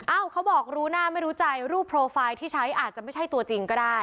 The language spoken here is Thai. เขาบอกรู้หน้าไม่รู้ใจรูปโปรไฟล์ที่ใช้อาจจะไม่ใช่ตัวจริงก็ได้